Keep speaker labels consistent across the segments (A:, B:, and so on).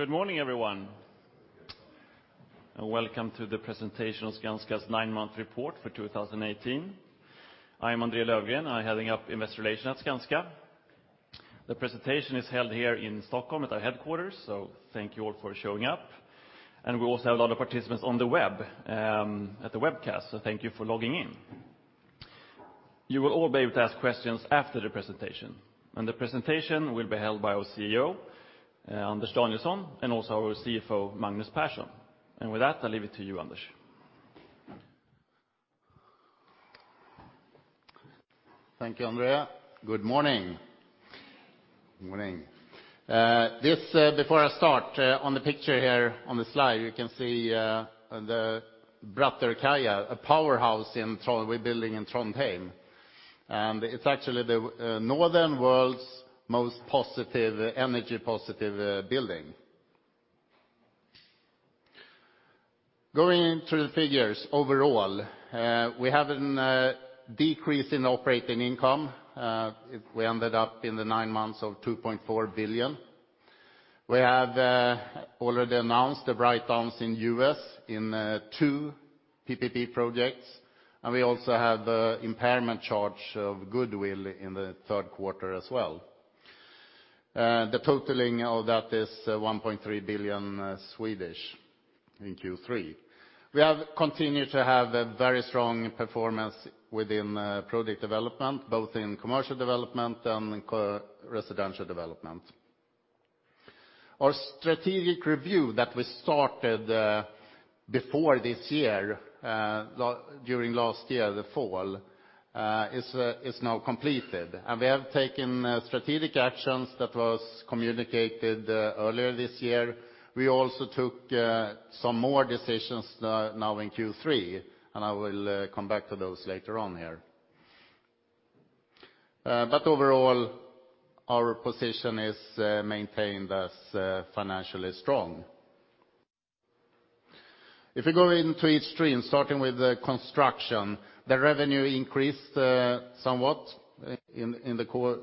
A: Good morning, everyone, and welcome to the presentation of Skanska's nine-month report for 2018. I am André Löfgren, I'm heading up Investor Relations at Skanska. The presentation is held here in Stockholm at our headquarters, so thank you all for showing up. And we also have a lot of participants on the web, at the webcast, so thank you for logging in. You will all be able to ask questions after the presentation, and the presentation will be held by our CEO, Anders Danielsson, and also our CFO, Magnus Persson. And with that, I leave it to you, Anders.
B: Thank you, André. Good morning. Morning. Before I start, on the picture here on the slide, you can see the Powerhouse Brattørkaia we're building in Trondheim. And it's actually the world's northernmost energy-positive building. Going through the figures overall, we have a decrease in operating income. We ended up in the nine months of 2.4 billion. We have already announced the write-downs in the U.S. in two PPP projects, and we also have the impairment charge of goodwill in the third quarter as well. The totaling of that is 1.3 billion in Q3. We have continued to have a very strong performance within project development, both in commercial development and in residential development. Our strategic review that we started before this year, during last year, the fall, is now completed. We have taken strategic actions that was communicated earlier this year. We also took some more decisions now in Q3, and I will come back to those later on here. But overall, our position is maintained as financially strong. If we go into each stream, starting with the construction, the revenue increased somewhat in the core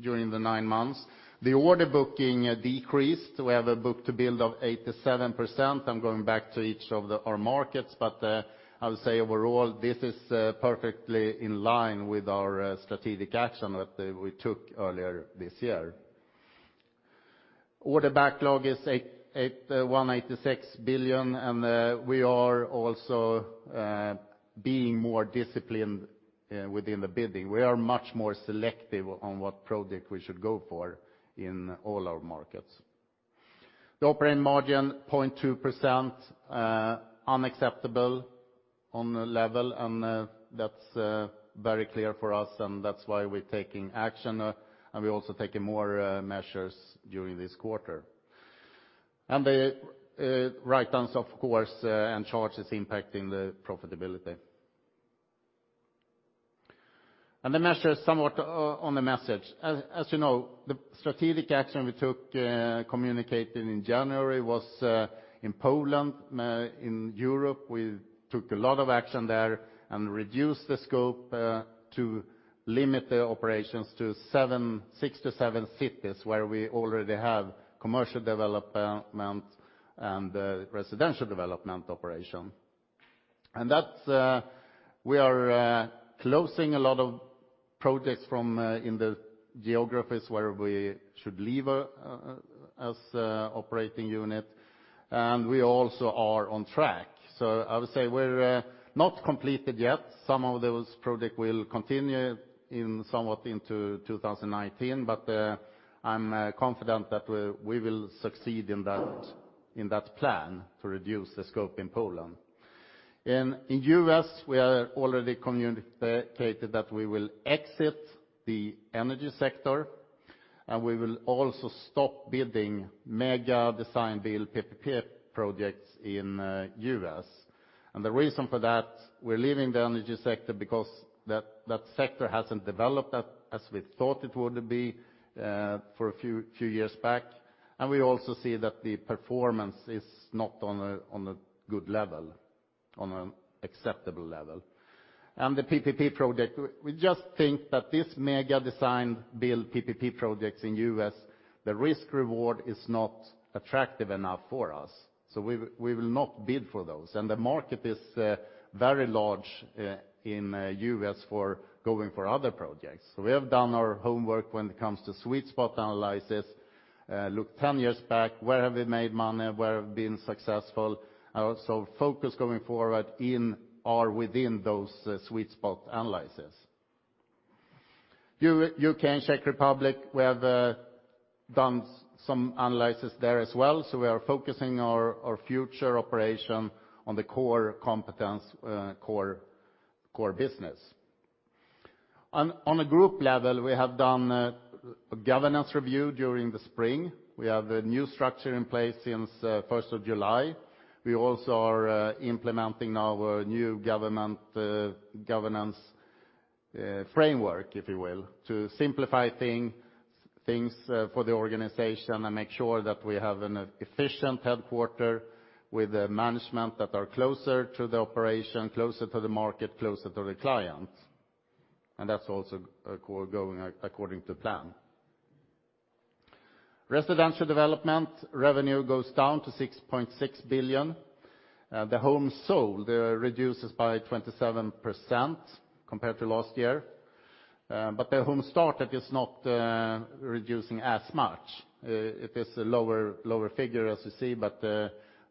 B: during the nine months. The order booking decreased. We have a book-to-bill of 87%. I'm going back to each of our markets, but I'll say overall, this is perfectly in line with our strategic action that we took earlier this year. Order backlog is 88.186 billion, and we are also being more disciplined within the bidding. We are much more selective on what project we should go for in all our markets. The operating margin, 0.2%, unacceptable on the level, and that's very clear for us, and that's why we're taking action, and we're also taking more measures during this quarter. And the write-downs, of course, and charges impacting the profitability. And the measures somewhat on the message. As you know, the strategic action we took, communicated in January, was in Poland. In Europe, we took a lot of action there and reduced the scope to limit the operations to six to seven cities, where we already have commercial property development and residential development operation. And that's, we are closing a lot of projects from in the geographies where we should leave as a operating unit, and we also are on track. So I would say we're not completed yet. Some of those project will continue in somewhat into 2019, but I'm confident that we will succeed in that plan to reduce the scope in Poland. In U.S., we are already communicated that we will exit the energy sector, and we will also stop building mega Design-Build PPP projects in U.S. And the reason for that, we're leaving the energy sector because that sector hasn't developed as we thought it would be for a few years back. We also see that the performance is not on a good level, on an acceptable level. And the PPP project, we just think that this mega Design-Build PPP projects in U.S., the risk reward is not attractive enough for us, so we will not bid for those. And the market is very large in U.S. for going for other projects. So we have done our homework when it comes to sweet spot analysis. Look 10 years back, where have we made money? Where have we been successful? So focus going forward in or within those sweet spot analysis. U.K. and Czech Republic, we have done some analysis there as well, so we are focusing our future operation on the core competence, core business. On a group level, we have done a governance review during the spring. We have a new structure in place since first of July. We also are implementing our new governance framework, if you will, to simplify things for the organization and make sure that we have an efficient headquarters with a management that are closer to the operation, closer to the market, closer to the clients, and that's also going according to plan. Residential development revenue goes down to 6.6 billion. The homes sold reduce by 27% compared to last year. But the homes started is not reducing as much. It is a lower figure, as you see, but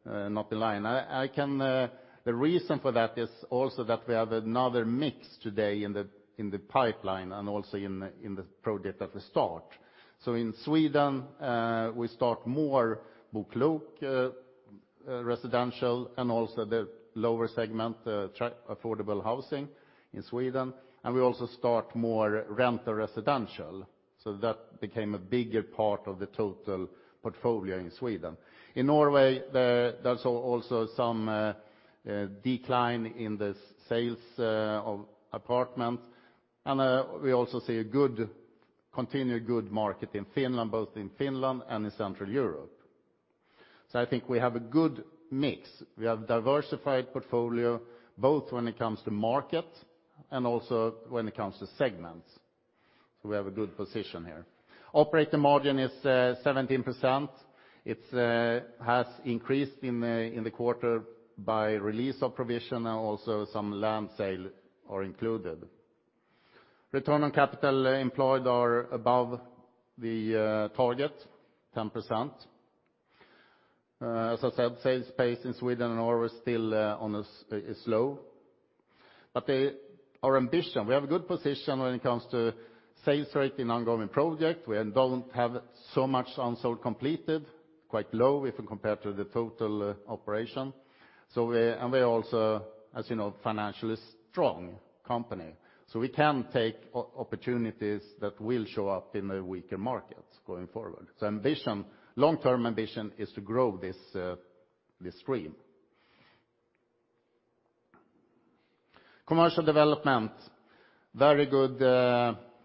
B: not in line. I can, the reason for that is also that we have another mix today in the pipeline, and also in the project that we start. So in Sweden, we start more BoKlok residential, and also the lower segment affordable housing in Sweden, and we also start more rental residential. So that became a bigger part of the total portfolio in Sweden. In Norway, there's also some decline in the sales of apartments. And we also see a good continued good market in Finland, both in Finland and in Central Europe. So I think we have a good mix. We have diversified portfolio, both when it comes to market and also when it comes to segments. So we have a good position here. Operating margin is 17%. It has increased in the quarter by release of provision, and also some land sale are included. Return on capital employed are above the target, 10%. As I said, sales pace in Sweden and Norway is still slow. But our ambition, we have a good position when it comes to sales rate in ongoing project. We don't have so much unsold completed, quite low if we compare to the total operation. So we, and we're also, as you know, financially strong company, so we can take opportunities that will show up in the weaker markets going forward. So ambition, long-term ambition, is to grow this this stream. Commercial development, very good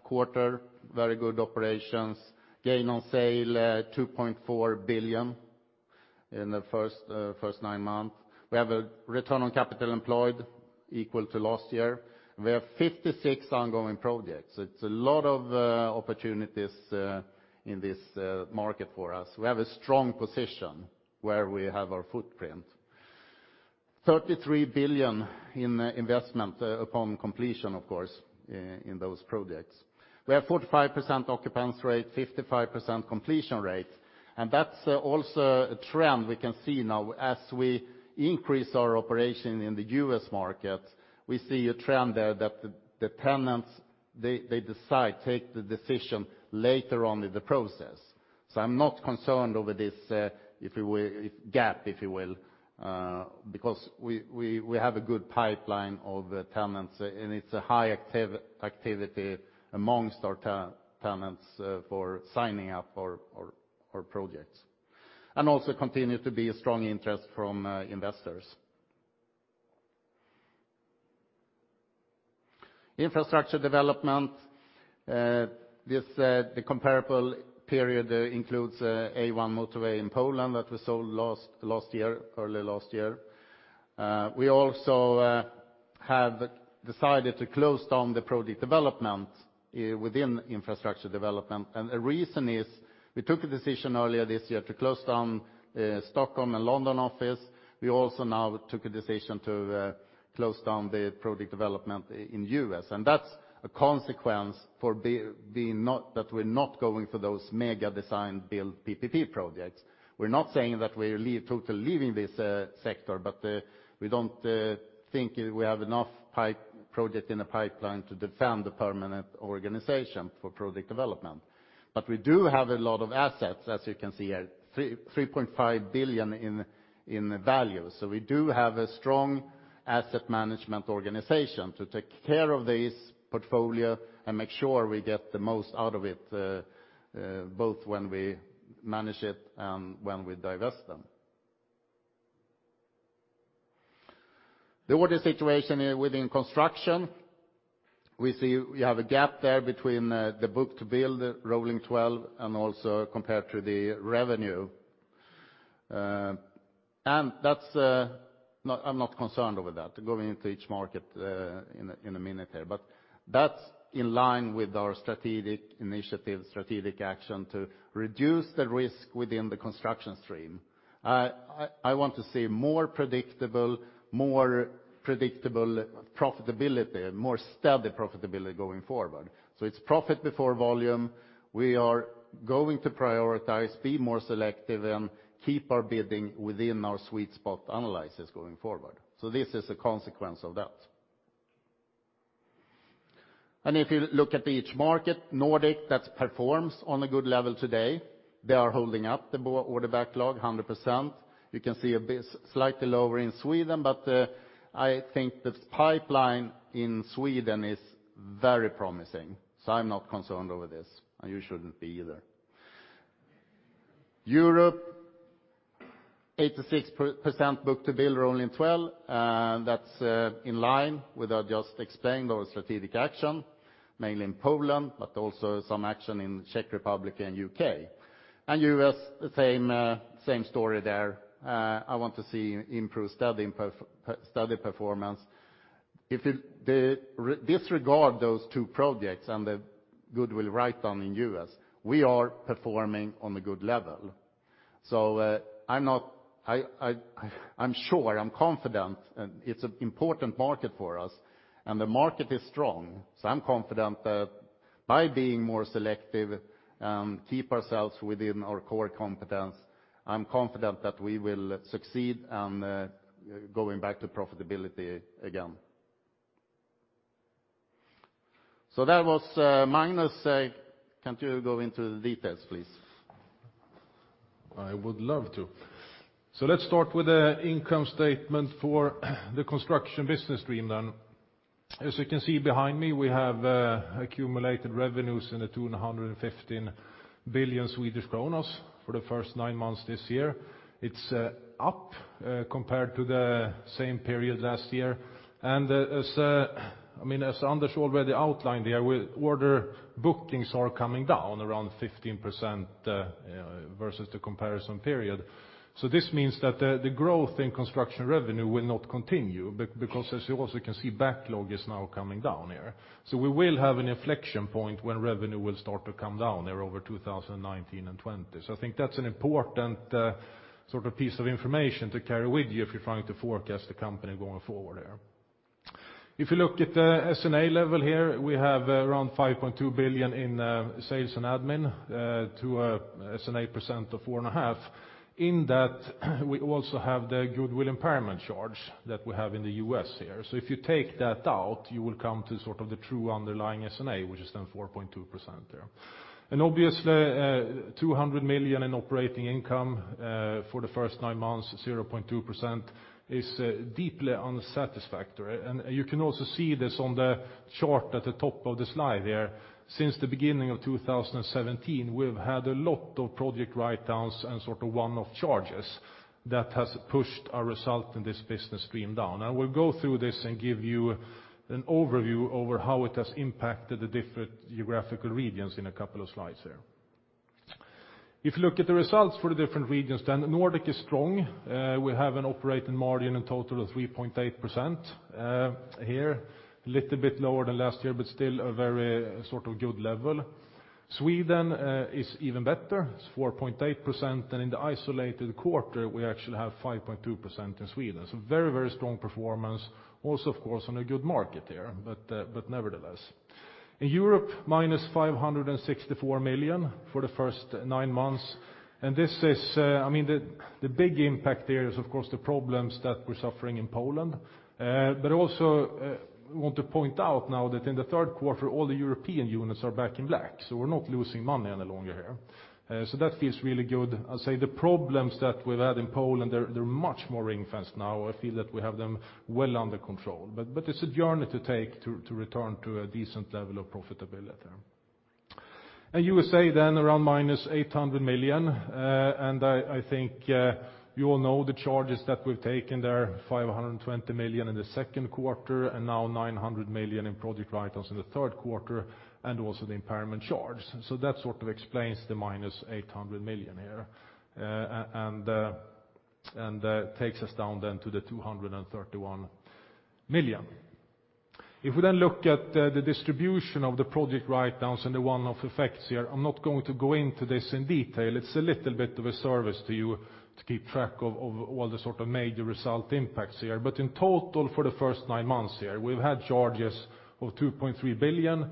B: quarter, very good operations. Gain on sale 2.4 billion in the first nine months. We have a return on capital employed equal to last year. We have 56 ongoing projects. It's a lot of opportunities in this market for us. We have a strong position where we have our footprint. 33 billion in investment, upon completion, of course, in those projects. We have 45% occupancy rate, 55% completion rate, and that's also a trend we can see now. As we increase our operation in the U.S. market, we see a trend there that the tenants they decide take the decision later on in the process. So I'm not concerned over this, if you will, gap, if you will, because we have a good pipeline of tenants, and it's a high activity amongst our tenants for signing up for our projects, and also continue to be a strong interest from investors. Infrastructure development, this the comparable period includes A1 motorway in Poland that we sold last year, early last year. We also have decided to close down the project development within infrastructure development. And the reason is, we took a decision earlier this year to close down Stockholm and London office. We also now took a decision to close down the project development in U.S., and that's a consequence for being not that we're not going for those mega Design-Build PPP projects. We're not saying that we're leaving, totally leaving this sector, but we don't think we have enough pipeline projects in the pipeline to defend the permanent organization for project development. But we do have a lot of assets, as you can see here, 3.5 billion in value. So we do have a strong asset management organization to take care of this portfolio and make sure we get the most out of it, both when we manage it and when we divest them. The order situation within construction, we see we have a gap there between the book-to-bill, rolling twelve, and also compared to the revenue. And that's... I'm not concerned over that, going into each market in a minute here. But that's in line with our strategic initiative, strategic action to reduce the risk within the construction stream. I want to see more predictable, more predictable profitability, more steady profitability going forward. So it's profit before volume. We are going to prioritize, be more selective, and keep our bidding within our sweet spot analysis going forward. So this is a consequence of that. And if you look at each market, Nordic, that performs on a good level today, they are holding up the book order backlog 100%. You can see a bit slightly lower in Sweden, but I think the pipeline in Sweden is very promising, so I'm not concerned over this, and you shouldn't be either. Europe, 86% book to bill rolling twelve, that's in line with our just explained our strategic action, mainly in Poland, but also some action in Czech Republic and U.K. And U.S., the same story there. I want to see improved, steady performance.... if you disregard those two projects and the goodwill write-down in U.S., we are performing on a good level. So, I'm sure, I'm confident, and it's an important market for us, and the market is strong. So I'm confident that by being more selective, keep ourselves within our core competence, I'm confident that we will succeed on going back to profitability again. So that was, Magnus, can you go into the details, please?
C: I would love to. So let's start with the income statement for the construction business stream then. As you can see behind me, we have accumulated revenues in the 215 billion for the first nine months this year. It's up compared to the same period last year. And as I mean, as Anders already outlined there, with order bookings are coming down around 15% versus the comparison period. So this means that the growth in construction revenue will not continue because as you also can see, backlog is now coming down here. So we will have an inflection point when revenue will start to come down there over 2019 and 2020. So I think that's an important sort of piece of information to carry with you if you're trying to forecast the company going forward there. If you look at the S&A level here, we have around 5.2 billion in sales and admin to a S&A percent of 4.5%. In that, we also have the goodwill impairment charge that we have in the U.S. here. So if you take that out, you will come to sort of the true underlying S&A, which is then 4.2% there. And obviously, 200 million in operating income for the first nine months, 0.2%, is deeply unsatisfactory. And you can also see this on the chart at the top of the slide here. Since the beginning of 2017, we've had a lot of project write-downs and sort of one-off charges that has pushed our result in this business stream down. I will go through this and give you an overview over how it has impacted the different geographical regions in a couple of slides here. If you look at the results for the different regions, then the Nordic is strong. We have an operating margin in total of 3.8%, here, little bit lower than last year, but still a very, sort of good level. Sweden, is even better, it's 4.8%, and in the isolated quarter, we actually have 5.2% in Sweden. So very, very strong performance, also, of course, on a good market there, but, but nevertheless. In Europe, -564 million for the first nine months. And this is, I mean, the, the big impact there is, of course, the problems that we're suffering in Poland. But also, we want to point out now that in the third quarter, all the European units are back in black, so we're not losing money any longer here. So that feels really good. I'll say the problems that we've had in Poland, they're much more ring-fenced now. I feel that we have them well under control, but it's a journey to take to return to a decent level of profitability. In USA, then around -800 million, and I think you all know the charges that we've taken there, 520 million in the second quarter, and now 900 million in project write-downs in the third quarter, and also the impairment charge. So that sort of explains the -800 million here. And that takes us down then to 231 million. If we then look at the distribution of the project write-downs and the one-off effects here, I'm not going to go into this in detail. It's a little bit of a service to you to keep track of all the sort of major result impacts here. But in total, for the first nine months here, we've had charges of 2.3 billion,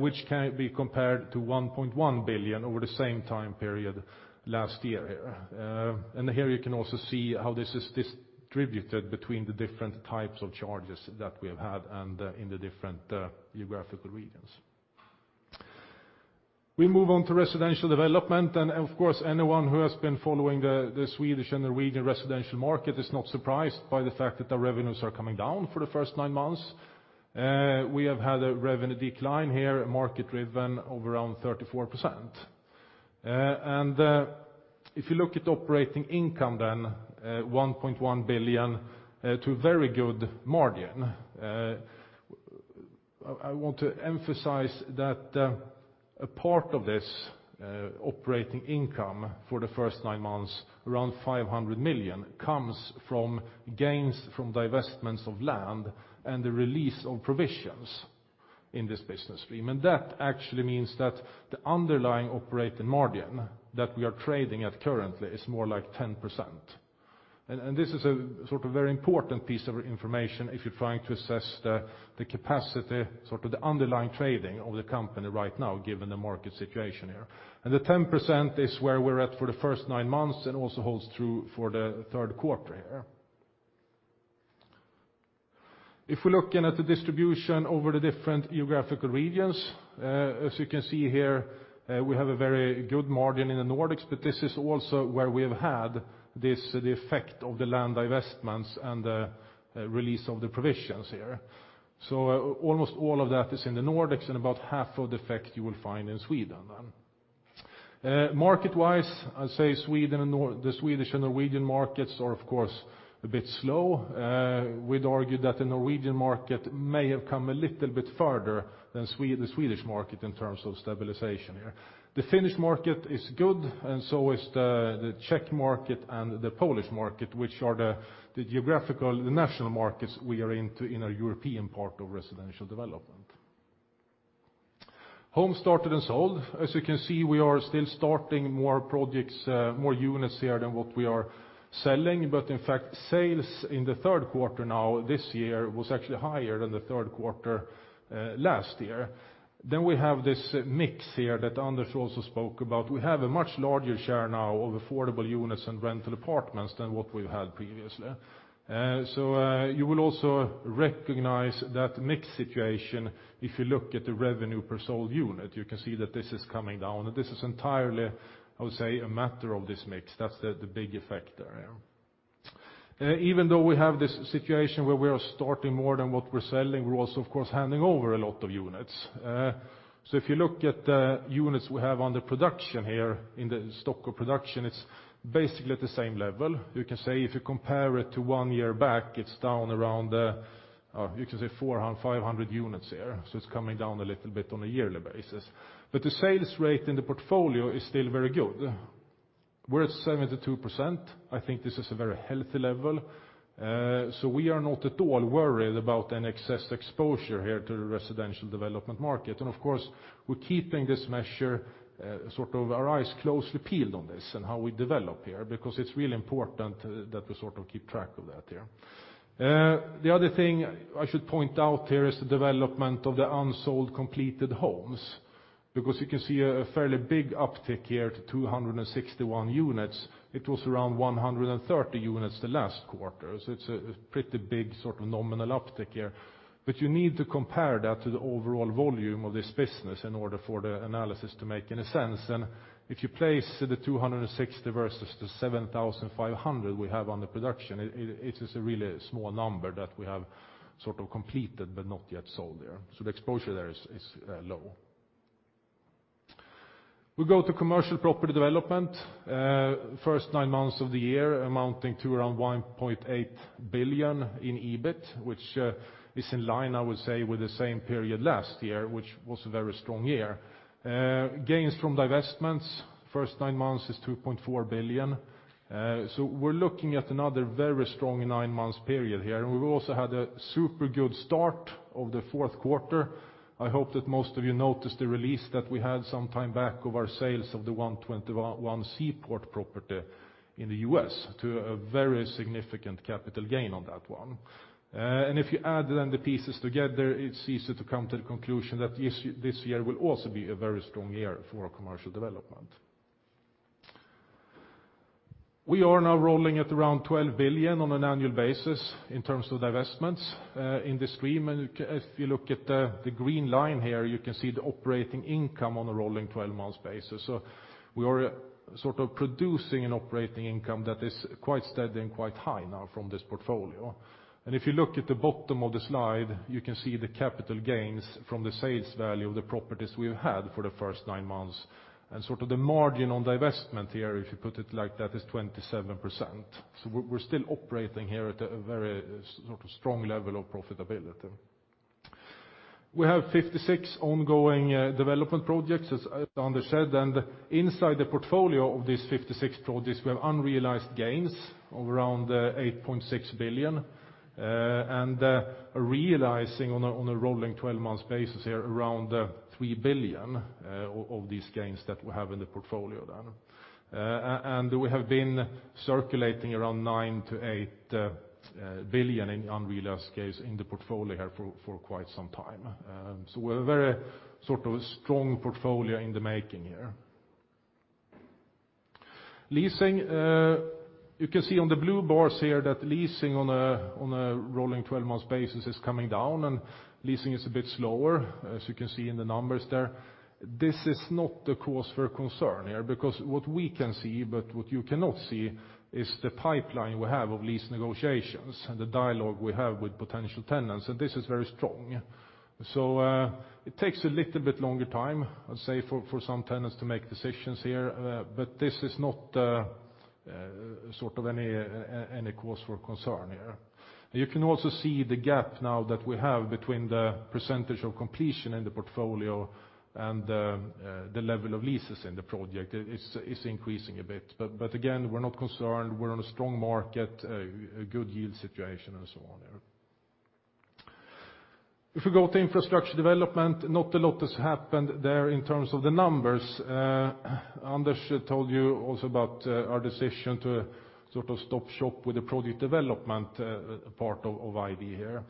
C: which can be compared to 1.1 billion over the same time period last year here. And here you can also see how this is distributed between the different types of charges that we have had and in the different geographical regions. We move on to residential development, and of course, anyone who has been following the Swedish and the Norwegian residential market is not surprised by the fact that the revenues are coming down for the first nine months. We have had a revenue decline here, market driven of around 34%. And if you look at operating income, then 1.1 billion to a very good margin. I want to emphasize that a part of this operating income for the first nine months, around 500 million, comes from gains from divestments of land and the release of provisions in this business stream. And that actually means that the underlying operating margin that we are trading at currently is more like 10%. This is a sort of very important piece of information if you're trying to assess the capacity, sort of the underlying trading of the company right now, given the market situation here. The 10% is where we're at for the first nine months and also holds true for the third quarter here. If we're looking at the distribution over the different geographical regions, as you can see here, we have a very good margin in the Nordics, but this is also where we have had this, the effect of the land divestments and the release of the provisions here. Almost all of that is in the Nordics, and about half of the effect you will find in Sweden then. Market-wise, I'd say the Swedish and Norwegian markets are, of course, a bit slow. We'd argue that the Norwegian market may have come a little bit further than the Swedish market in terms of stabilization here. The Finnish market is good, and so is the Czech market and the Polish market, which are the geographical national markets we are into in our European part of residential development. Homes started and sold. As you can see, we are still starting more projects, more units here than what we are selling. But in fact, sales in the third quarter now this year was actually higher than the third quarter last year. Then we have this mix here that Anders also spoke about. We have a much larger share now of affordable units and rental apartments than what we've had previously. So, you will also recognize that mix situation if you look at the revenue per sold unit. You can see that this is coming down, and this is entirely, I would say, a matter of this mix. That's the big effect there. Even though we have this situation where we are starting more than what we're selling, we're also, of course, handing over a lot of units. So if you look at the units we have under production here in the stock of production, it's basically at the same level. You can say if you compare it to one year back, it's down around 500 units here, so it's coming down a little bit on a yearly basis. But the sales rate in the portfolio is still very good. We're at 72%. I think this is a very healthy level. We are not at all worried about an excess exposure here to the residential development market. Of course, we're keeping this measure sort of our eyes closely peeled on this and how we develop here, because it's really important that we sort of keep track of that here. The other thing I should point out here is the development of the unsold completed homes, because you can see a fairly big uptick here to 261 units. It was around 130 units the last quarter. It's a pretty big sort of nominal uptick here. But you need to compare that to the overall volume of this business in order for the analysis to make any sense. If you place the 260 versus the 7,500 we have on the production, it is a really small number that we have sort of completed but not yet sold there. So the exposure there is low. We go to commercial property development, first nine months of the year, amounting to around 1.8 billion in EBIT, which is in line, I would say, with the same period last year, which was a very strong year. Gains from divestments, first nine months is 2.4 billion. So we're looking at another very strong nine-month period here, and we've also had a super good start of the fourth quarter. I hope that most of you noticed the release that we had some time back of our sales of the 121 Seaport property in the U.S., to a very significant capital gain on that one. And if you add then the pieces together, it's easy to come to the conclusion that this year will also be a very strong year for our commercial development. We are now rolling at around 12 billion on an annual basis in terms of divestments in this stream. And if you look at the green line here, you can see the operating income on a rolling twelve-month basis. So we are sort of producing an operating income that is quite steady and quite high now from this portfolio. If you look at the bottom of the slide, you can see the capital gains from the sales value of the properties we've had for the first nine months. Sort of the margin on divestment here, if you put it like that, is 27%. So we're, we're still operating here at a very sort of strong level of profitability. We have 56 ongoing development projects, as Anders said, and inside the portfolio of these 56 projects, we have unrealized gains of around 8.6 billion, and realizing on a rolling twelve-month basis here, around 3 billion of these gains that we have in the portfolio then. And we have been circulating around 9 billion-8 billion in unrealized gains in the portfolio here for quite some time. So we're a very sort of strong portfolio in the making here. Leasing, you can see on the blue bars here that leasing on a rolling 12-month basis is coming down, and leasing is a bit slower, as you can see in the numbers there. This is not a cause for concern here, because what we can see, but what you cannot see, is the pipeline we have of lease negotiations and the dialogue we have with potential tenants, and this is very strong. So, it takes a little bit longer time, I'd say, for some tenants to make decisions here, but this is not sort of any cause for concern here. You can also see the gap now that we have between the percentage of completion in the portfolio and the level of leases in the project. It's increasing a bit, but again, we're not concerned. We're on a strong market, a good yield situation, and so on there. If we go to infrastructure development, not a lot has happened there in terms of the numbers. Anders told you also about our decision to sort of stop shop with the project development part of ID here.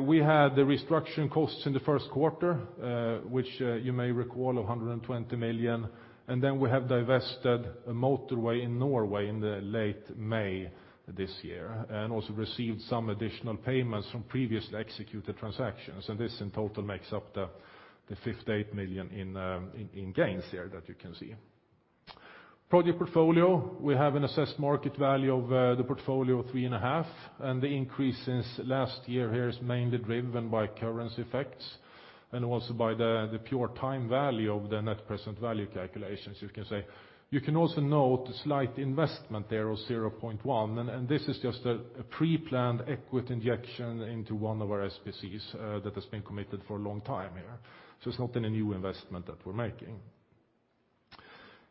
C: We had the restructuring costs in the first quarter, which you may recall, 120 million. And then we have divested a motorway in Norway in late May this year, and also received some additional payments from previously executed transactions. And this in total makes up the 58 million in gains here that you can see. Project portfolio, we have an assessed market value of the portfolio of 3.5 billion, and the increase since last year here is mainly driven by currency effects, and also by the pure time value of the net present value calculations, you can say. You can also note the slight investment there of 0.1 billion, and this is just a pre-planned equity injection into one of our SPCs that has been committed for a long time here. So it's not any new investment that we're making.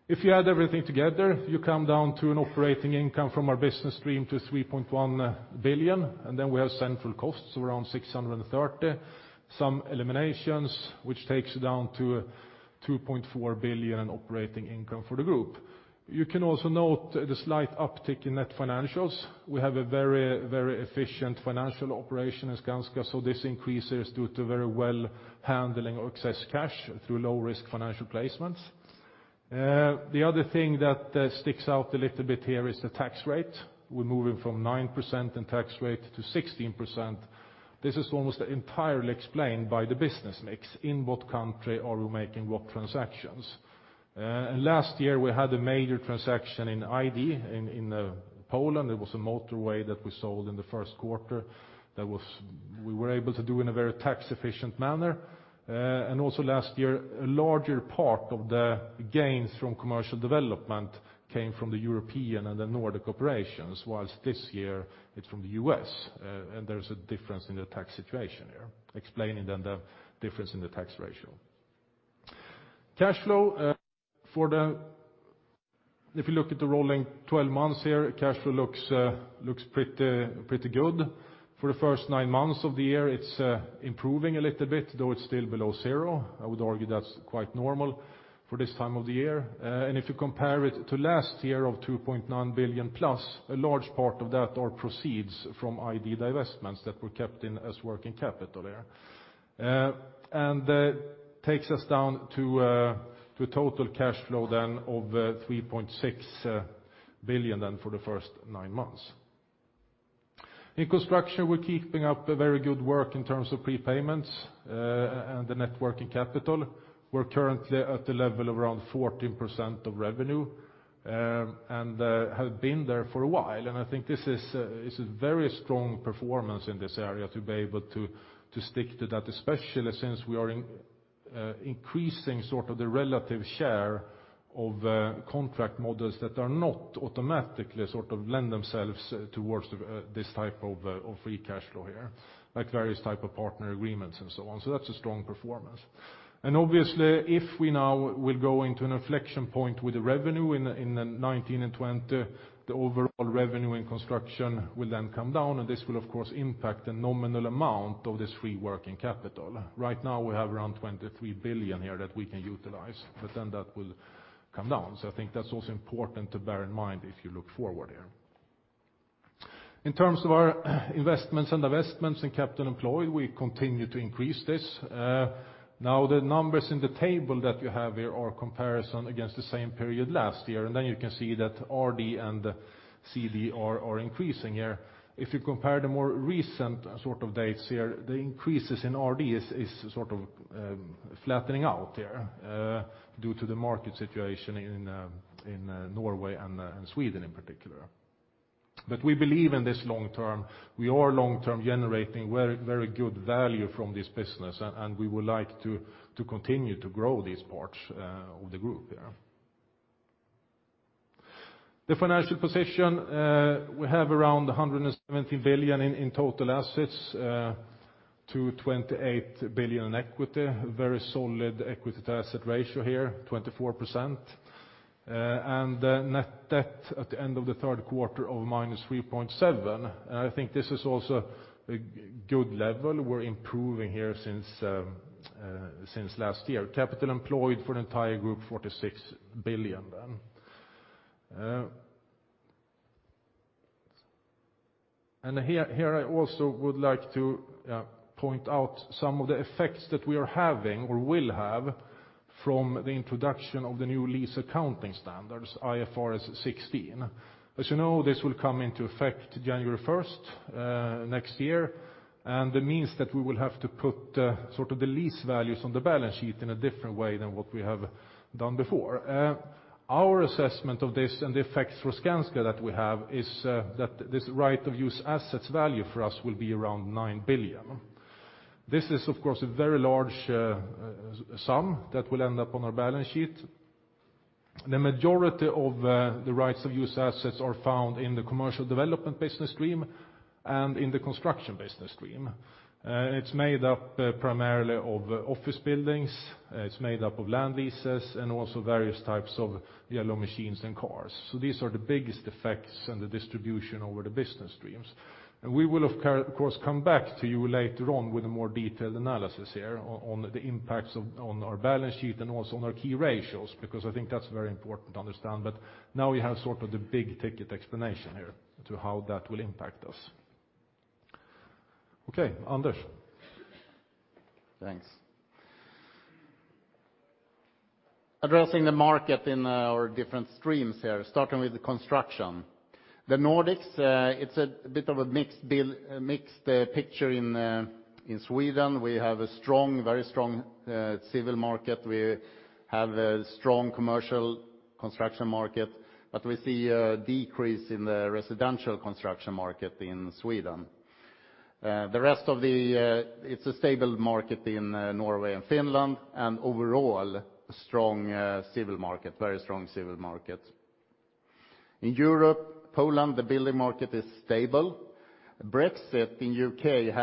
C: If you add everything together, you come down to an operating income from our business stream to 3.1 billion, and then we have central costs around 630 million. Some eliminations, which takes you down to 2.4 billion in operating income for the group. You can also note the slight uptick in net financials. We have a very, very efficient financial operation in Skanska, so this increase is due to very well handling of excess cash through low-risk financial placements. The other thing that sticks out a little bit here is the tax rate. We're moving from 9% in tax rate to 16%. This is almost entirely explained by the business mix, in what country are we making what transactions? And last year, we had a major transaction in Poland. It was a motorway that we sold in the first quarter. We were able to do in a very tax-efficient manner. And also last year, a larger part of the gains from commercial development came from the European and the Nordic operations, while this year it's from the U.S., and there's a difference in the tax situation here, explaining then the difference in the tax ratio. Cash flow, if you look at the rolling twelve months here, cash flow looks pretty good. For the first nine months of the year, it's improving a little bit, though it's still below zero. I would argue that's quite normal for this time of the year. And if you compare it to last year of 2.9 billion plus, a large part of that are proceeds from ID divestments that were kept in as working capital there. And that takes us down to total cash flow then of 3.6 billion then for the first nine months. In construction, we're keeping up a very good work in terms of prepayments and the net working capital. We're currently at the level of around 14% of revenue and have been there for a while. And I think this is very strong performance in this area to be able to stick to that, especially since we are increasing sort of the relative share of contract models that are not automatically sort of lend themselves towards this type of free cash flow here, like various type of partner agreements and so on. So that's a strong performance. Obviously, if we now will go into an inflection point with the revenue in 2019 and 2020, the overall revenue in construction will then come down, and this will, of course, impact the nominal amount of this free working capital. Right now, we have around 23 billion here that we can utilize, but then that will come down. So I think that's also important to bear in mind if you look forward here. In terms of our investments and divestments in capital employed, we continue to increase this. Now, the numbers in the table that you have here are comparison against the same period last year, and then you can see that RD and CD are increasing here. If you compare the more recent sort of dates here, the increases in RD is sort of flattening out here due to the market situation in Norway and Sweden in particular. But we believe in this long term, we are long term generating very, very good value from this business, and we would like to continue to grow these parts of the group, yeah. The financial position, we have around 170 billion in total assets to 28 billion in equity. Very solid equity-to-asset ratio here, 24%. And net debt at the end of the third quarter of -3.7 billion, and I think this is also a good level. We're improving here since last year. Capital employed for the entire group, 46 billion then. And here I also would like to point out some of the effects that we are having or will have from the introduction of the new lease accounting standards, IFRS 16. As you know, this will come into effect January first next year, and it means that we will have to put sort of the lease values on the balance sheet in a different way than what we have done before. Our assessment of this and the effects for Skanska that we have is that this right-of-use assets value for us will be around 9 billion. This is, of course, a very large sum that will end up on our balance sheet. The majority of the rights of use assets are found in the commercial development business stream and in the construction business stream. It's made up primarily of office buildings, it's made up of land leases, and also various types of yellow machines and cars. So these are the biggest effects and the distribution over the business streams. And we will, of course, come back to you later on with a more detailed analysis here on the impacts on our balance sheet and also on our key ratios, because I think that's very important to understand. But now we have sort of the big-ticket explanation here to how that will impact us. Okay, Anders?
B: Thanks. Addressing the market in our different streams here, starting with the construction. The Nordics, it's a bit of a mixed picture in Sweden. We have a strong, very strong, civil market. We have a strong commercial construction market, but we see a decrease in the residential construction market in Sweden. The rest of the... It's a stable market in Norway and Finland, and overall, strong civil market, very strong civil market. In Europe, Poland, the building market is stable. Brexit in U.K.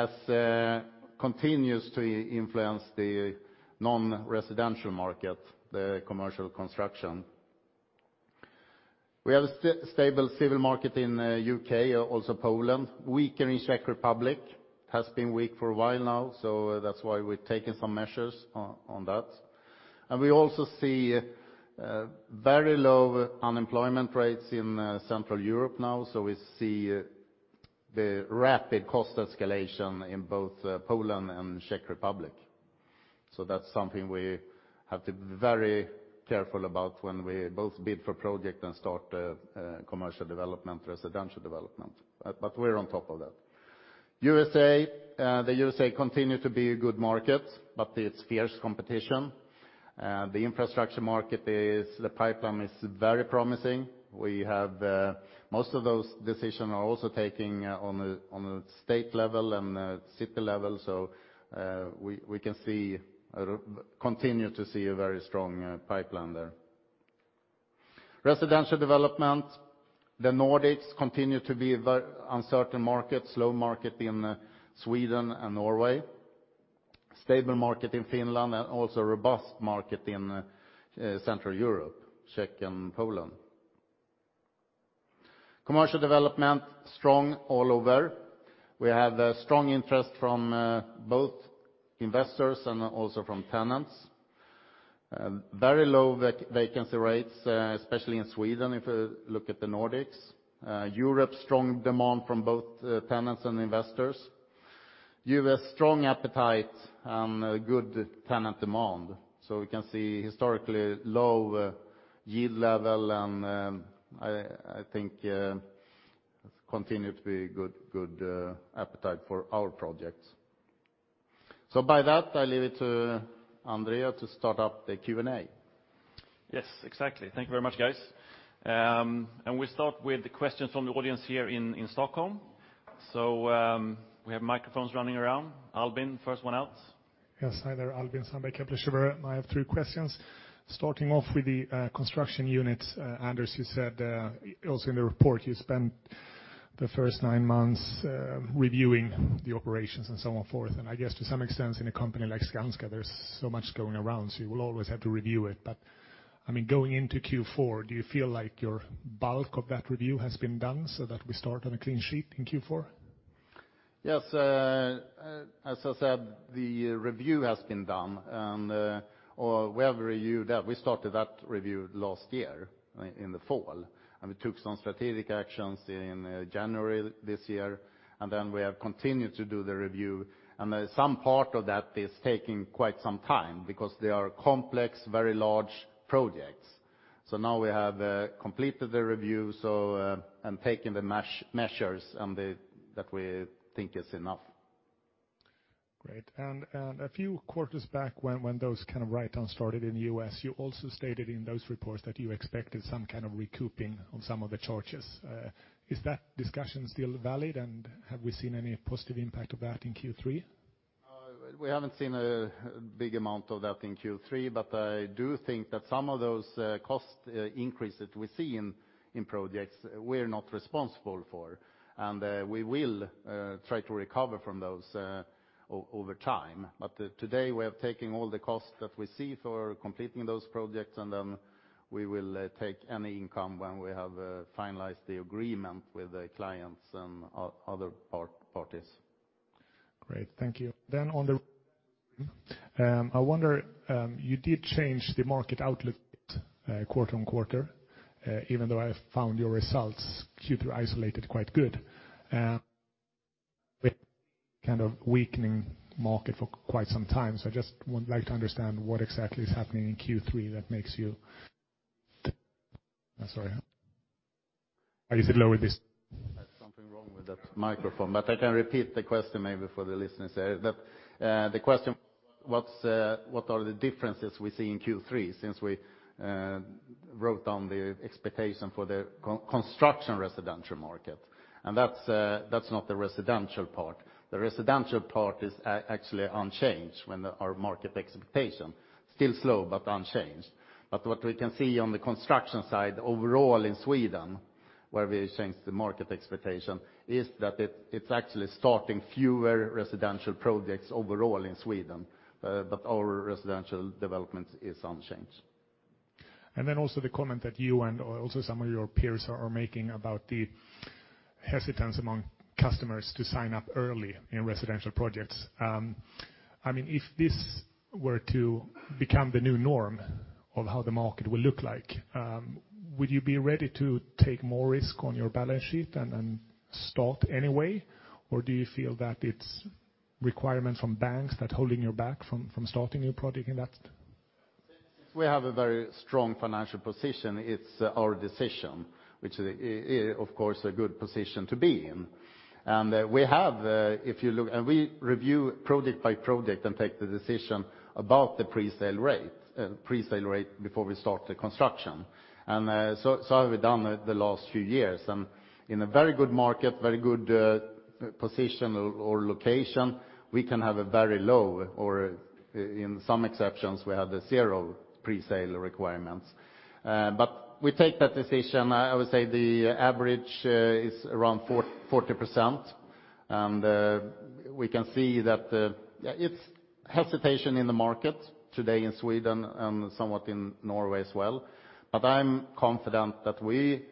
B: continues to influence the non-residential market, the commercial construction. We have a stable civil market in U.K., also Poland. Weaker in Czech Republic, has been weak for a while now, so that's why we're taking some measures on that. And we also see very low unemployment rates in Central Europe now, so we see the rapid cost escalation in both Poland and Czech Republic. So that's something we have to be very careful about when we both bid for project and start commercial development, residential development. But we're on top of that. USA, the USA continue to be a good market, but it's fierce competition. The infrastructure market is, the pipeline is very promising. We have most of those decision are also taking on a state level and city level, so we can see continue to see a very strong pipeline there. Residential development, the Nordics continue to be a very uncertain market, slow market in Sweden and Norway. Stable market in Finland, and also robust market in Central Europe, Czech and Poland. Commercial development, strong all over. We have a strong interest from both investors and also from tenants. Very low vacancy rates, especially in Sweden, if you look at the Nordics. Europe, strong demand from both tenants and investors. U.S., strong appetite and good tenant demand, so we can see historically low yield level, and I think continue to be good appetite for our projects. So by that, I leave it to André to start up the Q&A.
A: Yes, exactly. Thank you very much, guys. And we start with the questions from the audience here in Stockholm. So, we have microphones running around. Albin, first one out.
D: Yes, hi there, Albin Sandberg Kepler Cheuvreux. I have three questions. Starting off with the construction units, Anders, you said, also in the report, you spent the first nine months reviewing the operations and so on, forth. I guess to some extent, in a company like Skanska, there's so much going around, so you will always have to review it. I mean, going into Q4, do you feel like your bulk of that review has been done so that we start on a clean sheet in Q4?
B: Yes, as I said, the review has been done, and or we have reviewed that. We started that review last year, in the fall, and we took some strategic actions in January this year, and then we have continued to do the review. Some part of that is taking quite some time, because they are complex, very large projects. So now we have completed the review, and taken the measures that we think is enough.
D: Great. And a few quarters back, when those kind of write-downs started in the U.S., you also stated in those reports that you expected some kind of recouping on some of the charges. Is that discussion still valid, and have we seen any positive impact of that in Q3?
B: We haven't seen a big amount of that in Q3, but I do think that some of those cost increase that we see in projects, we're not responsible for. And, we will try to recover from those over time. But, today, we have taken all the costs that we see for completing those projects, and then we will take any income when we have finalized the agreement with the clients and other parties.
D: Great, thank you. Then on the, I wonder, you did change the market outlook quarter-over-quarter, even though I found your results Q2 isolated quite good. With kind of weakening market for quite some time, so I just would like to understand what exactly is happening in Q3 that makes you... I'm sorry. I usually lower this.
B: There's something wrong with that microphone, but I can repeat the question maybe for the listeners there. That, the question, what are the differences we see in Q3, since we wrote down the expectation for the construction residential market? And that's not the residential part. The residential part is actually unchanged when our market expectation. Still slow, but unchanged. But what we can see on the construction side, overall in Sweden, where we changed the market expectation, is that it's actually starting fewer residential projects overall in Sweden, but our residential development is unchanged.
D: And then also the comment that you and also some of your peers are making about the hesitance among customers to sign up early in residential projects. I mean, if this were to become the new norm of how the market will look like, would you be ready to take more risk on your balance sheet and start anyway? Or do you feel that it's requirement from banks that holding you back from starting a new project in that?
B: We have a very strong financial position. It's our decision, which is, of course, a good position to be in. And we have and we review project by project and take the decision about the pre-sale rate before we start the construction. And so have we done it the last few years. And in a very good market, very good position or location, we can have a very low, or in some exceptions, we have zero pre-sale requirements. But we take that decision. I would say the average is around 40%. And we can see that it's hesitation in the market today in Sweden and somewhat in Norway as well. But I'm confident that we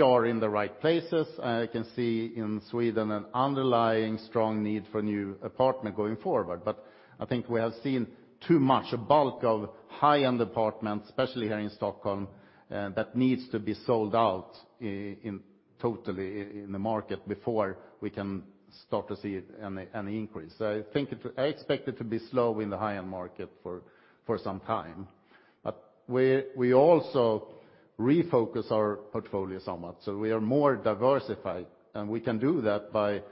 B: are in the right places. I can see in Sweden an underlying strong need for new apartment going forward. But I think we have seen too much bulk of high-end apartments, especially here in Stockholm, that needs to be sold out in the market before we can start to see an increase. So I think I expect it to be slow in the high-end market for some time. But we also refocus our portfolio somewhat, so we are more diversified, and we can do that by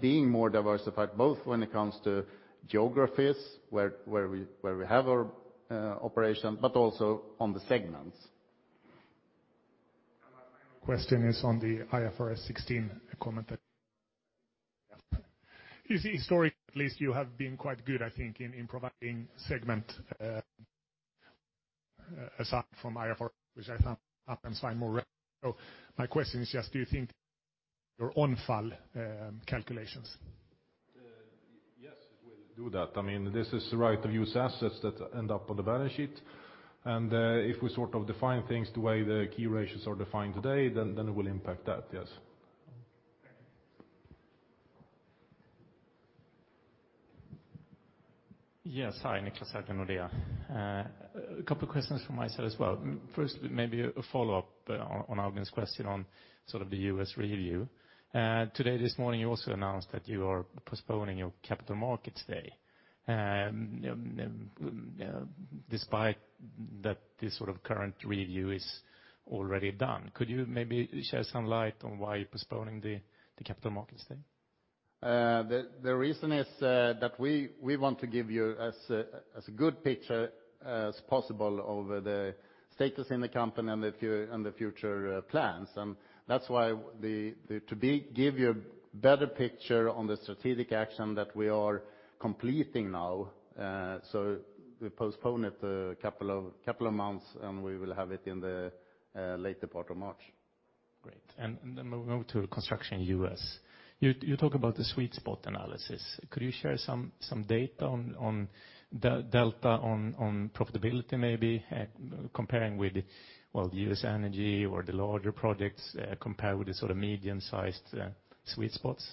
B: being more diversified, both when it comes to geographies, where we have our operation, but also on the segments.
D: My final question is on the IFRS 16 comment that... You see, historically, at least, you have been quite good, I think, in providing segment aside from IFRS, which I found happens more. So my question is just, do you think your own fall calculations?
B: Yes, we'll do that. I mean, this is the right-of-use assets that end up on the balance sheet. If we sort of define things the way the key ratios are defined today, then it will impact that, yes.
D: Thank you.
E: Yes, hi, Niclas Höglund, Nordea. A couple of questions from myself as well. First, maybe a follow-up on, on Albin's question on sort of the US review. Today, this morning, you also announced that you are postponing your Capital Markets Day. Despite that this sort of current review is already done, could you maybe shed some light on why you're postponing the, the Capital Markets Day?
B: The reason is that we want to give you as good a picture as possible over the status in the company and the future plans. That's why to give you a better picture on the strategic action that we are completing now, so we postpone it a couple of months, and we will have it in the later part of March.
E: Great. And then moving on to the Construction U.S. You talk about the sweet spot analysis. Could you share some data on the delta on profitability, maybe comparing with, well, the U.S. energy or the larger projects compared with the sort of medium-sized sweet spots?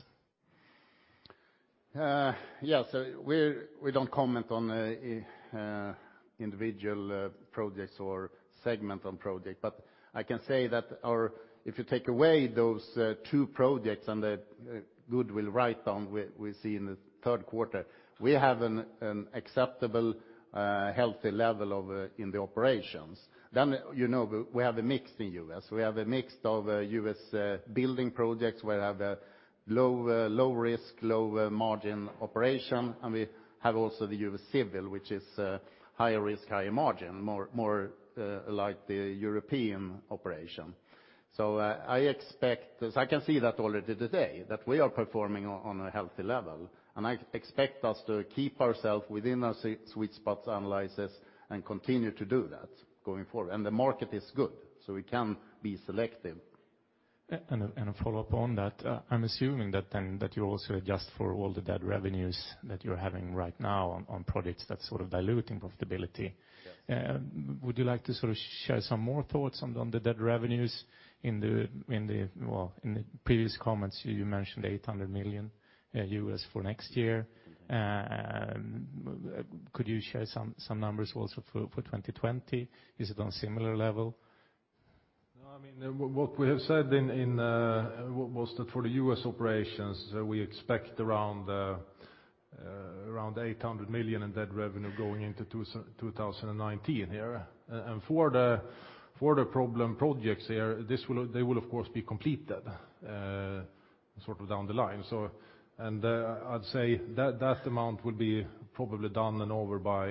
B: Yes. So we don't comment on individual projects or segment on project. But I can say that our... If you take away those two projects and the goodwill write down we see in the third quarter, we have an acceptable healthy level of in the operations. Then, you know, we have a mix in U.S. We have a mix of U.S. building projects, where we have a low risk, low margin operation, and we have also the U.S. civil, which is higher risk, higher margin, more like the European operation. So I expect, as I can see that already today, that we are performing on a healthy level, and I expect us to keep ourself within a sweet spot analysis and continue to do that going forward. The market is good, so we can be selective.
E: And a follow-up on that. I'm assuming that then, that you also adjust for all the debt revenues that you're having right now on projects that's sort of diluting profitability.
B: Yes.
E: Would you like to sort of share some more thoughts on the net revenues in the? Well, in the previous comments, you mentioned $800 million for next year. Could you share some numbers also for 2020? Is it on similar level?
B: No, I mean, what we have said in was that for the US operations, we expect around 800 million in net revenue going into 2019 here. And for the problem projects here, this will, they will of course, be completed sort of down the line. So, I'd say that amount will be probably done and over by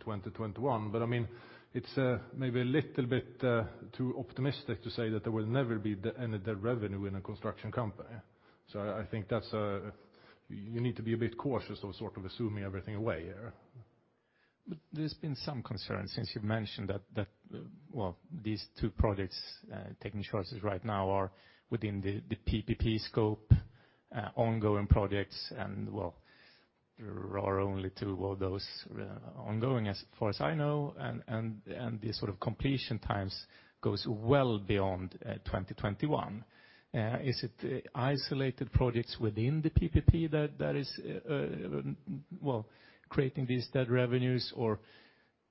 B: 2021. But I mean, it's maybe a little bit too optimistic to say that there will never be any net revenue in a construction company. So I think that's you need to be a bit cautious of sort of assuming everything away here.
E: But there's been some concern since you've mentioned that, well, these two projects taking choices right now are within the PPP scope, ongoing projects, and well, there are only two of those, ongoing, as far as I know, and the sort of completion times goes well beyond 2021. Is it isolated projects within the PPP that is, well, creating these debt revenues, or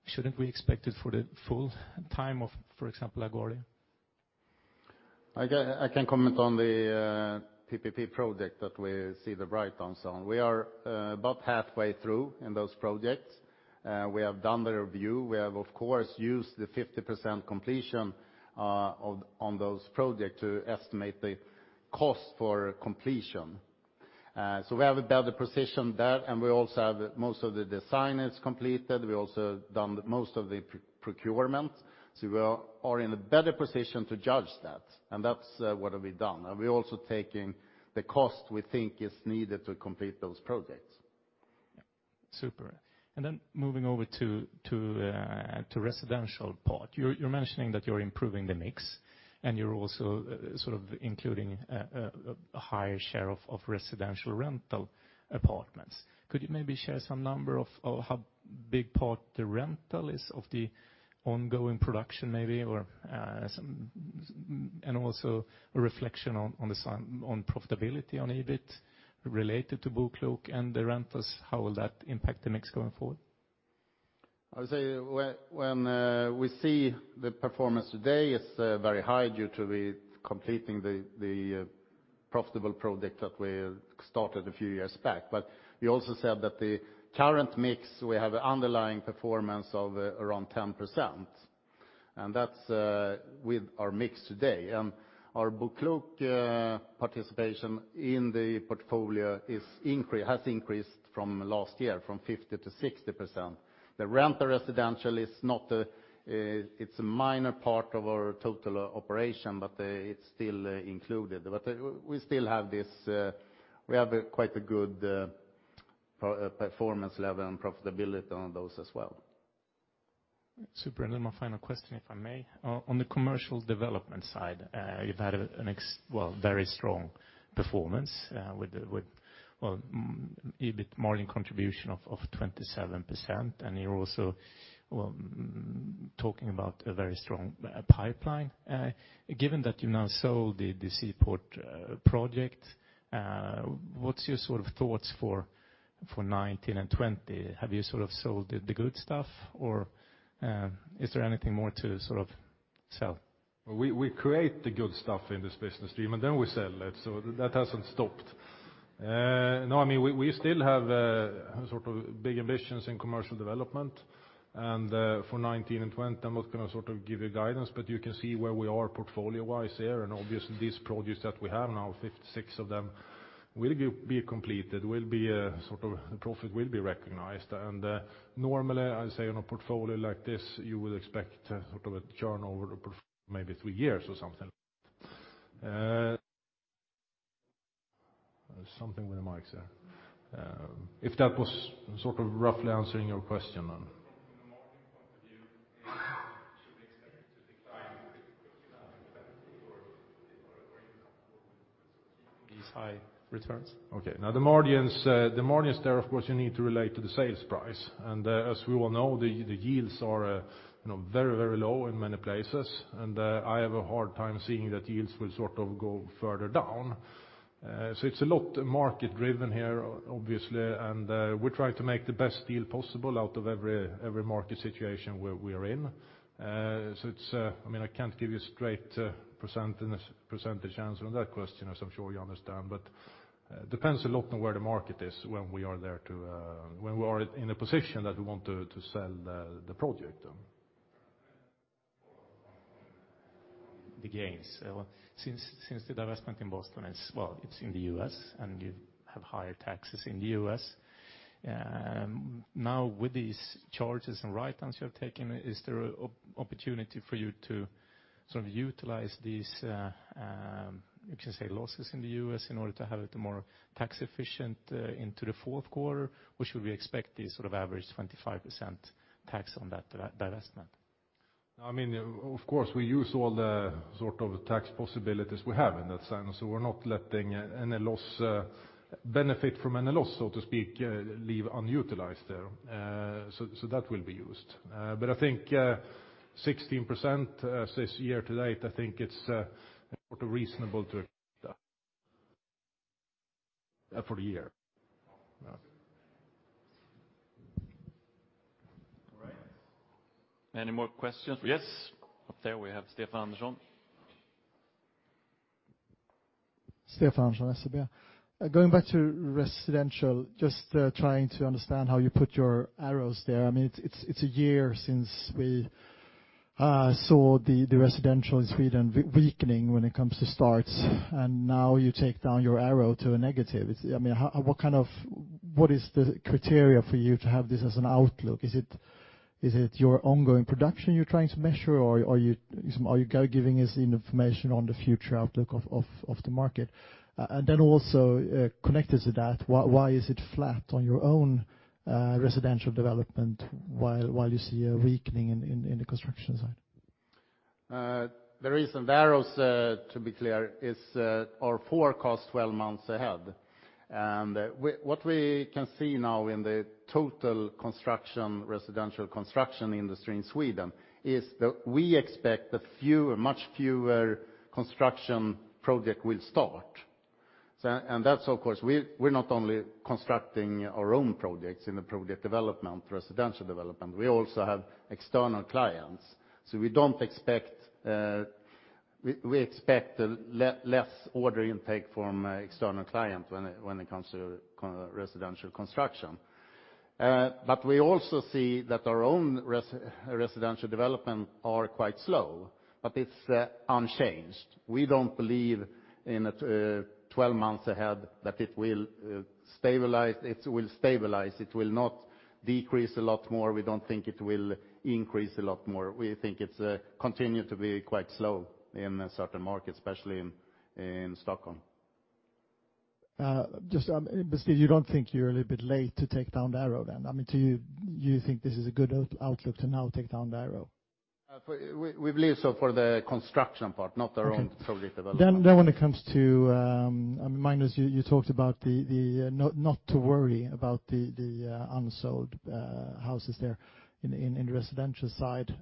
E: shouldn't we expect it for the full time of, for example, LaGuardia?
B: I can comment on the PPP project that we see the write-downs on. We are about halfway through in those projects. We have done the review. We have, of course, used the 50% completion on those projects to estimate the cost for completion. So we have a better position there, and we also have most of the design is completed. We also done most of the procurement, so we are in a better position to judge that, and that's what we have done. And we're also taking the cost we think is needed to complete those projects.
E: ...Super. And then moving over to residential part. You're mentioning that you're improving the mix, and you're also sort of including a higher share of residential rental apartments. Could you maybe share some number of how big part the rental is of the ongoing production maybe, or some- And also a reflection on the side, on profitability, on EBIT related to BoKlok and the rentals, how will that impact the mix going forward?
B: I would say when we see the performance today, it's very high due to completing the profitable product that we started a few years back. But we also said that the current mix, we have an underlying performance of around 10%, and that's with our mix today. Our BoKlok participation in the portfolio has increased from last year, from 50% to 60%. The rental residential is not. It's a minor part of our total operation, but it's still included. But we still have this, we have quite a good performance level and profitability on those as well.
E: Super. And then my final question, if I may. On the commercial development side, you've had an excellent, well, very strong performance with well, EBIT margin contribution of 27%, and you're also well, talking about a very strong pipeline. Given that you now sold the Seaport project, what's your sort of thoughts for 2019 and 2020? Have you sort of sold the good stuff, or is there anything more to sort of sell?
B: We create the good stuff in this business stream, and then we sell it, so that hasn't stopped. No, I mean, we still have sort of big ambitions in commercial development. And for 2019 and 2020, I'm not going to sort of give you guidance, but you can see where we are portfolio-wise there. And obviously, these projects that we have now, 56 of them, will be completed, will be sort of the profit will be recognized. And normally, I'd say on a portfolio like this, you would expect sort of a turnover of maybe three years or something. Something with the mic there. If that was sort of roughly answering your question, then.
E: From a margin point of view, should we expect it to decline or these high returns?
B: Okay. Now, the margins there, of course, you need to relate to the sales price. As we all know, the yields are, you know, very, very low in many places, and I have a hard time seeing that yields will sort of go further down. So it's a lot market driven here, obviously, and we try to make the best deal possible out of every market situation where we are in. So it's, I mean, I can't give you a straight percent, percentage answer on that question, as I'm sure you understand, but depends a lot on where the market is when we are there to, when we are in a position that we want to sell the project. The gains. Since the divestment in Boston is, well, it's in the U.S., and you have higher taxes in the U.S., now, with these charges and write-downs you have taken, is there a opportunity for you to sort of utilize these, you can say, losses in the U.S. in order to have it more tax efficient, into the fourth quarter? Or should we expect the sort of average 25% tax on that divestment? I mean, of course, we use all the sort of tax possibilities we have in that sense, so we're not letting any loss benefit from any loss, so to speak, leave unutilized there. So that will be used. But I think 16%, since year to date, I think it's sort of reasonable to for the year. Yeah.
E: All right.
A: Any more questions? Yes. Up there, we have Stefan Andersson.
F: Stefan Andersson, SEB. Going back to residential, just trying to understand how you put your arrows there. I mean, it's a year since we saw the residential in Sweden weakening when it comes to starts, and now you take down your arrow to a negative. I mean, how, what kind of... What is the criteria for you to have this as an outlook? Is it your ongoing production you're trying to measure, or are you giving us the information on the future outlook of the market? And then also, connected to that, why is it flat on your own residential development, while you see a weakening in the construction side?
B: The reason the arrows, to be clear, is our forecast 12 months ahead. What we can see now in the total construction, residential construction industry in Sweden, is that we expect a fewer, much fewer construction project will start. That's of course, we're not only constructing our own projects in the project development, residential development, we also have external clients. So we don't expect, we expect less order intake from external client when it, when it comes to residential construction. But we also see that our own residential development are quite slow, but it's unchanged. We don't believe in 12 months ahead that it will stabilize, it will stabilize. It will not decrease a lot more. We don't think it will increase a lot more. We think it's continue to be quite slow in certain markets, especially in Stockholm....
F: just, basically, you don't think you're a little bit late to take down the arrow, then? I mean, do you think this is a good outlook to now take down the arrow?
B: We believe so for the construction part, not our own product development.
F: Then when it comes to, I mean, Magnus, you talked about not to worry about the unsold houses there in the residential side.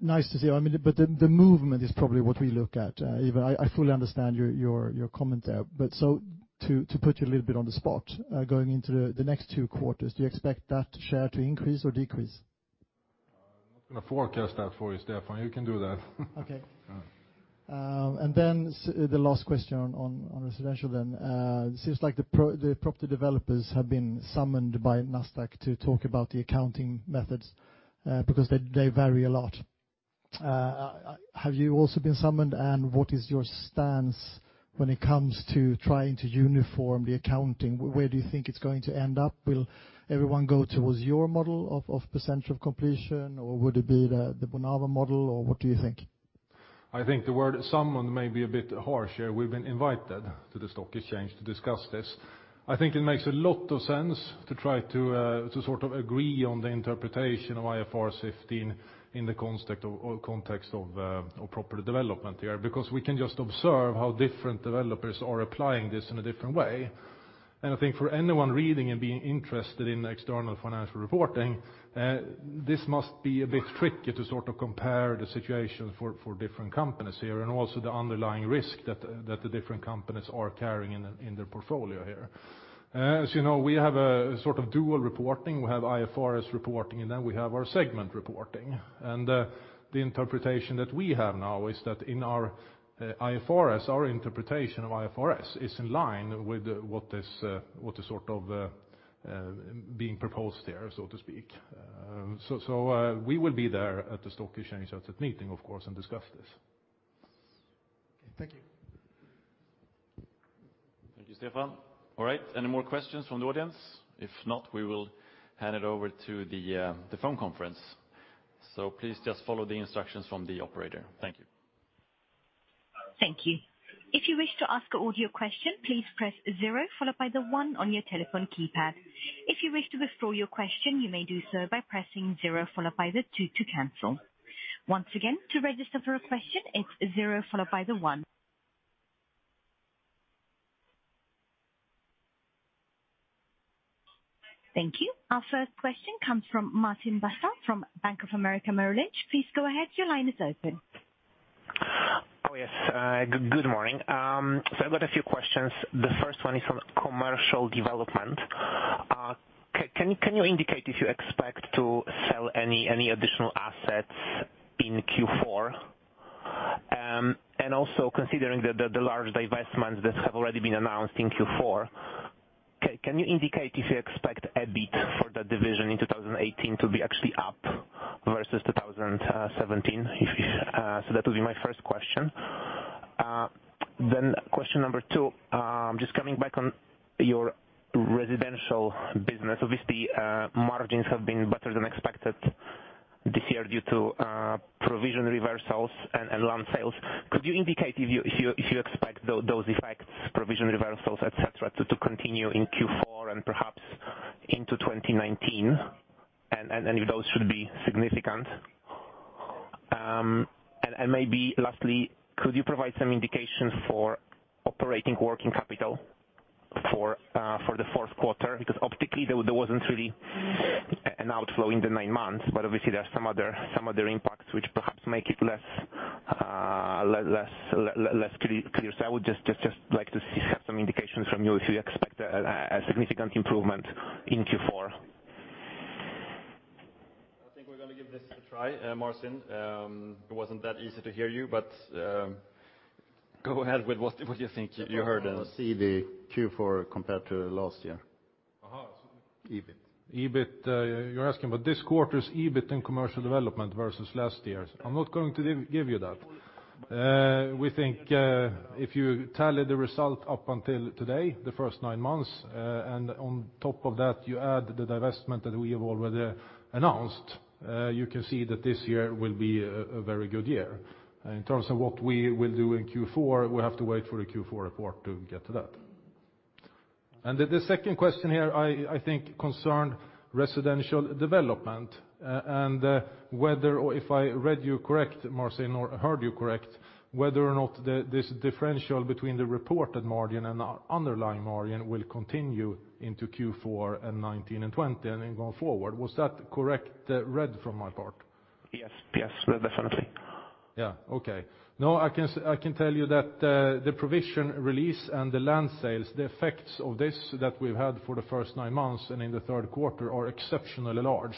F: Nice to see. I mean, but the movement is probably what we look at. Even I fully understand your comment there. But so to put you a little bit on the spot, going into the next two quarters, do you expect that share to increase or decrease?
C: I'm not going to forecast that for you, Stefan. You can do that.
F: Okay.
C: Yeah.
F: And then the last question on residential then. It seems like the property developers have been summoned by Nasdaq to talk about the accounting methods, because they vary a lot. Have you also been summoned, and what is your stance when it comes to trying to uniform the accounting? Where do you think it's going to end up? Will everyone go towards your model of percentage of completion, or would it be the Bonava model, or what do you think?
C: I think the word summoned may be a bit harsh here. We've been invited to the stock exchange to discuss this. I think it makes a lot of sense to try to sort of agree on the interpretation of IFRS 15 in the context of property development here. Because we can just observe how different developers are applying this in a different way. And I think for anyone reading and being interested in external financial reporting, this must be a bit tricky to sort of compare the situation for different companies here, and also the underlying risk that the different companies are carrying in their portfolio here. As you know, we have a sort of dual reporting. We have IFRS reporting, and then we have our segment reporting. And, the interpretation that we have now is that in our IFRS, our interpretation of IFRS is in line with what is sort of being proposed there, so to speak. So, we will be there at the stock exchange at that meeting, of course, and discuss this.
F: Thank you.
A: Thank you, Stefan. All right, any more questions from the audience? If not, we will hand it over to the phone conference. So please just follow the instructions from the operator. Thank you.
G: Thank you. If you wish to ask an audio question, please press zero, followed by the one on your telephone keypad. If you wish to withdraw your question, you may do so by pressing zero, followed by the two to cancel. Once again, to register for a question, it's zero followed by the one. Thank you. Our first question comes from Martin Basa from Bank of America Merrill Lynch. Please go ahead. Your line is open.
H: Oh, yes. Good morning. So I've got a few questions. The first one is on commercial development. Can you indicate if you expect to sell any additional assets in Q4? And also considering the large divestments that have already been announced in Q4, can you indicate if you expect EBIT for the division in 2018 to be actually up versus 2017? So that would be my first question. Then question number two, just coming back on your residential business. Obviously, margins have been better than expected this year due to provision reversals and land sales. Could you indicate if you expect those effects, provision reversals, et cetera, to continue in Q4 and perhaps into 2019, and if those should be significant? And maybe lastly, could you provide some indication for operating working capital for the fourth quarter? Because optically, there wasn't really an outflow in the nine months, but obviously there are some other impacts which perhaps make it less clear. So I would just like to see some indications from you if you expect a significant improvement in Q4.
A: I think we're going to give this a try, Martin. It wasn't that easy to hear you, but go ahead with what you think you heard us.
B: See the Q4 compared to last year.
C: Aha.
B: EBIT.
C: EBIT, you're asking about this quarter's EBIT and commercial development versus last year's. I'm not going to give you that. We think, if you tally the result up until today, the first nine months, and on top of that, you add the divestment that we have already announced, you can see that this year will be a very good year. In terms of what we will do in Q4, we have to wait for the Q4 report to get to that. And the second question here, I think concerned residential development, and whether or if I read you correct, Martin, or heard you correct, whether or not this differential between the reported margin and our underlying margin will continue into Q4 and 2019 and 2020 and then going forward. Was that correct, read from my part?
H: Yes. Yes, definitely.
C: Yeah. Okay. No, I can tell you that, the provision release and the land sales, the effects of this that we've had for the first nine months and in the third quarter are exceptionally large,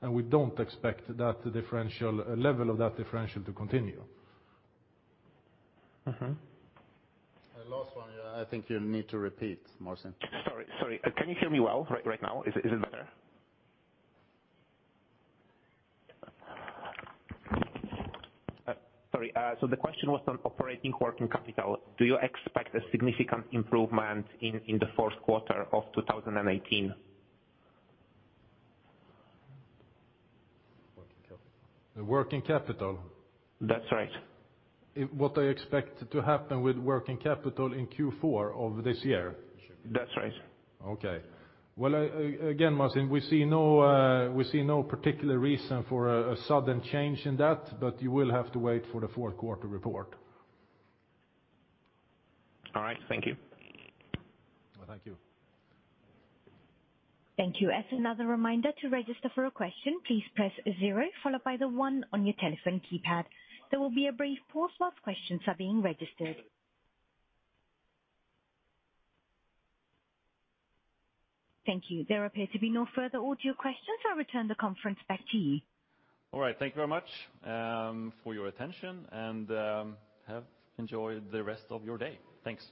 C: and we don't expect that differential, level of that differential to continue.
H: Mm-hmm.
B: The last one, yeah, I think you need to repeat, Martin.
H: Sorry, sorry. Can you hear me well right now? Is it better? Sorry, so the question was on operating working capital. Do you expect a significant improvement in the fourth quarter of 2018?
B: Working capital.
C: The working capital?
H: That's right.
C: What I expect to happen with working capital in Q4 of this year?
H: That's right.
C: Okay. Well, again, Martin, we see no particular reason for a sudden change in that, but you will have to wait for the fourth quarter report.
H: All right. Thank you.
C: Well, thank you.
G: Thank you. As another reminder, to register for a question, please press zero, followed by the one on your telephone keypad. There will be a brief pause while questions are being registered. Thank you. There appear to be no further audio questions. I return the conference back to you.
A: All right. Thank you very much for your attention and enjoy the rest of your day. Thanks!